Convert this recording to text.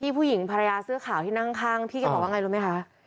ผู้หญิงภรรยาเสื้อขาวที่นั่งข้างพี่แกบอกว่าไงรู้ไหมคะ